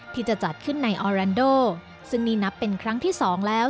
ที่จะจัดขึ้นในออแรนโดซึ่งนี่นับเป็นครั้งที่สองแล้ว